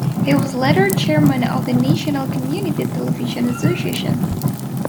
He was later Chairman of the National Community Television Association.